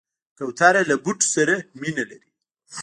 کوتره له بوټو سره مینه لري.